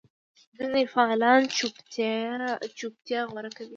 ځینې فعالان چوپتیا غوره کوي.